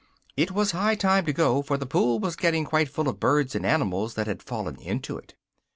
It was high time to go, for the pool was getting quite full of birds and animals that had fallen into it.